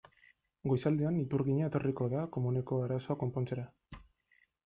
Goizaldean iturgina etorriko da komuneko arazoa konpontzera.